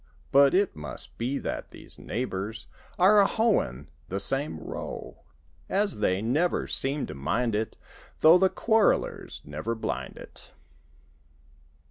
But it must be that these neighbors Are a hoein' the same row. As they never seem to mind it Though the quarrelers never blind it.